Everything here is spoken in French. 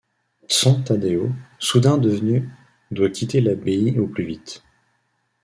Thson Taddéo, soudain devenu ', doit quitter l'abbaye au plus vite.